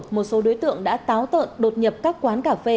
một số đối tượng đã táo tợn đột nhập các quán cà phê